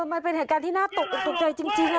มันเป็นแห่งการที่น่าตกใจจริง